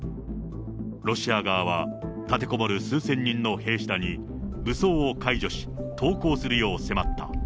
ロシア側は立てこもる数千人の兵士らに武装を解除し、投降するよう迫った。